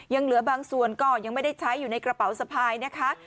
ยังเหลือบางส่วนก็ยังไม่ได้ใช้อยู่ในกระเป๋าสะพายนะคะ